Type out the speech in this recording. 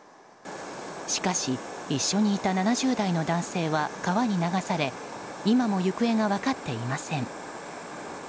しかし一緒にいた７０代の男性は川に流され今も行方が分かっていません。